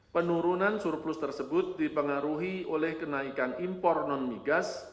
penurunan surplus tersebut dipengaruhi oleh kenaikan impor non migas